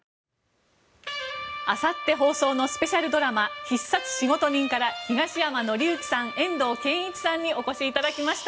あさって放送のスペシャルドラマ「必殺仕事人」から東山紀之さん、遠藤憲一さんにお越しいただきました。